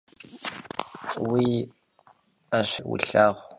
Vui 'eşhit'ım yi xhêr vulhağu!